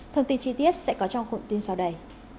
thông tin chi tiết sẽ có trong cụm tin sau đây